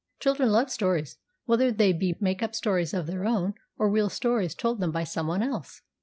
Children love stories, whether they be make up stories of their own or real stories told them by some one else.